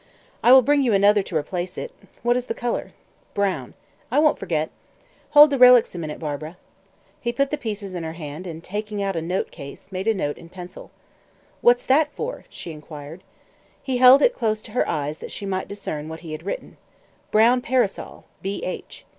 "I will bring you another to replace it. What is the color? Brown. I won't forget. Hold the relics a minute, Barbara." He put the pieces in her hand, and taking out a note case, made a note in pencil. "What's that for?" she inquired. He held it close to her eyes, that she might discern what he had written: "Brown parasol. B. H."